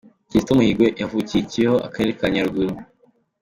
Kizito Mihigo yavukiye i Kibeho , Akarere ka Nyaruguru.